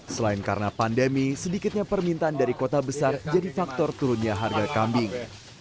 selain karena pandemi sedikitnya permintaan dari kota besar jadi faktor turunnya harga kambing